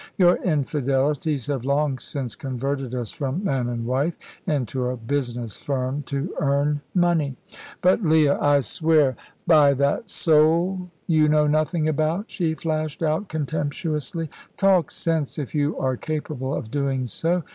Your infidelities have long since converted us from man and wife into a business firm to earn money." "But, Leah, I swear " "By that soul you know nothing about?" she flashed out contemptuously. "Talk sense, if you are capable of doing so.